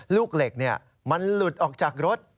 ลูกเหล็กมันหลุดออกจากรถ